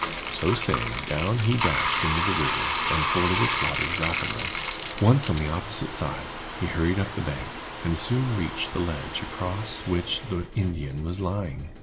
So saying, down he dashed into the river, and forded its waters rapidly. Once on the opposite side, he hurried up the bank, and soon reached the ledge across which the Indian was lying.